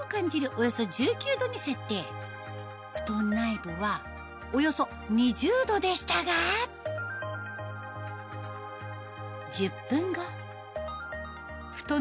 およそ１９度に設定ふとん内部はおよそ２０度でしたが１０分後ふとん